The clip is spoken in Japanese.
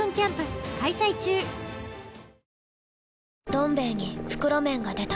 「どん兵衛」に袋麺が出た